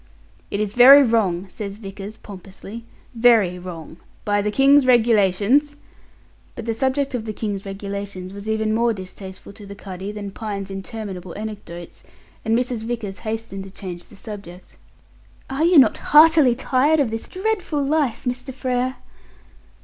"It is very wrong," says Vickers, pompously. "Very wrong. By the King's Regulations " But the subject of the King's Regulations was even more distasteful to the cuddy than Pine's interminable anecdotes, and Mrs. Vickers hastened to change the subject. "Are you not heartily tired of this dreadful life, Mr. Frere?"